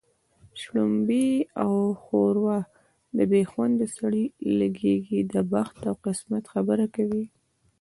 شلومبې او ښوروا د بې خونده سړي لږېږي د بخت او قسمت خبره کوي